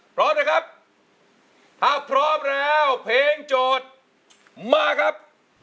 พร้อมนะครับถ้าพร้อมแล้วเพลงโจทย์มาครับ